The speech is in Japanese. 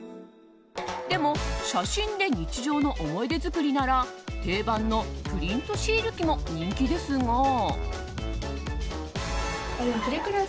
でも、写真で日常の思い出作りなら定番のプリントシール機も人気ですが。